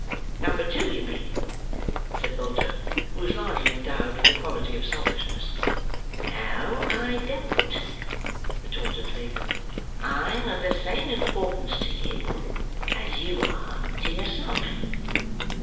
"Number two, you mean," said Mr. Bolter, who was largely endowed with the quality of selfishness. "No, I don't!" retorted Fagin. "I'm of the same importance to you, as you are to yourself."